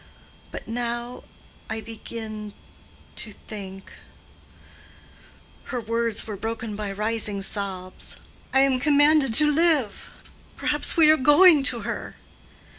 But now—I begin—to think—" her words were broken by rising sobs—"I am commanded to live—perhaps we are going to her."